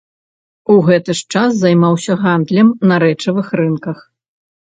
У гэты ж час займаўся гандлем на рэчавых рынках.